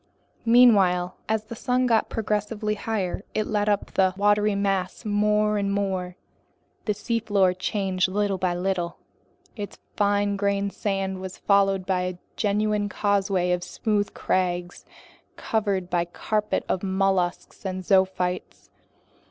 Meanwhile, as the sun got progressively higher, it lit up the watery mass more and more. The seafloor changed little by little. Its fine grained sand was followed by a genuine causeway of smooth crags covered by a carpet of mollusks and zoophytes.